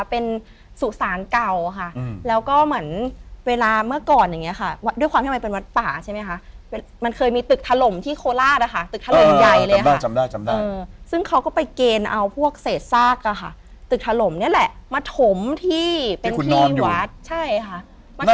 เป็นสู่ศาลเก่าค่ะแล้วก็เหมือนเวลาเมื่อก่อนอย่างนี้ค่ะวัดวัดใช่ไหมค่ะมันเคยมีตึกถลมที่โคลาสได้ค่ะตึกทะลมใหญ่เลยค่ะจำได้นะค่ะค่ะจำได้เลยค่ะเค้าก็ไปเกณฑ์เอาพวกเศษซากค่ะตึกถลมนี่แหละมะถมที่เป็นพี่วัดใช่ค่ะ